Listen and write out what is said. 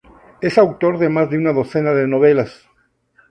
Es autor de más de una docena de novelas.